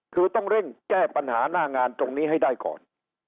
คือต้องเร่งแก้ปัญหาหน้างานตรงนี้ให้ได้ก่อน